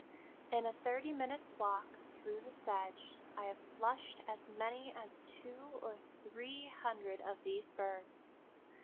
In a thirty minutes' walk through the sedge I have flushed as many as two or three hundred of these birds.